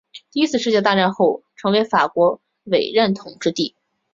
第一次世界大战后成为法国委任统治地。